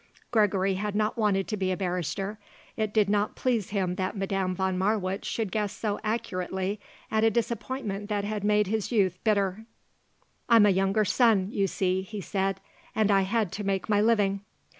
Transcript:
Gregory had not wanted to be a barrister. It did not please him that Madame von Marwitz should guess so accurately at a disappointment that had made his youth bitter. "I'm a younger son, you see," he said. "And I had to make my living."